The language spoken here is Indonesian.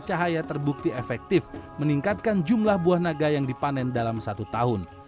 cahaya terbukti efektif meningkatkan jumlah buah naga yang dipanen dalam satu tahun